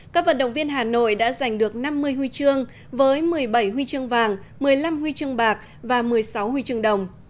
các vận động viên hà nội đã giành được năm mươi huy chương với một mươi bảy huy chương vàng một mươi năm huy chương bạc và một mươi sáu huy chương đồng